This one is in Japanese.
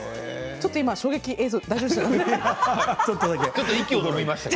ちょっと、今衝撃映像大丈夫でした。